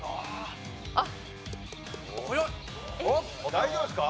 大丈夫ですか？